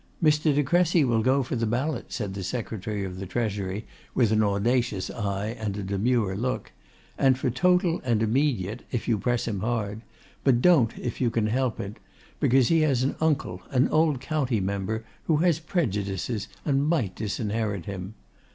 'Mr. De Crecy will go for the ballot,' said the secretary of the Treasury, with an audacious eye and a demure look, 'and for Total and Immediate, if you press him hard; but don't, if you can help it, because he has an uncle, an old county member, who has prejudices, and might disinherit him.